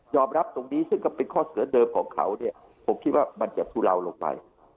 รับตรงนี้ซึ่งก็เป็นข้อเสนอเดิมของเขาเนี่ยผมคิดว่ามันจะทุเลาลงไป